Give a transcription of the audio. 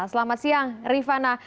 selamat siang rifana